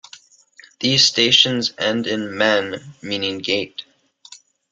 These stations end in "men", meaning gate.